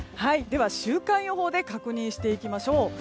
週間予報で確認していきましょう。